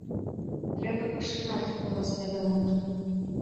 Трэба пашыраць кола свядомых!